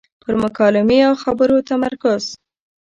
پر مکالمې او خبرو تمرکز.